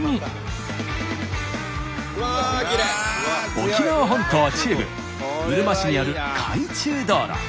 沖縄本島中部うるま市にある海中道路。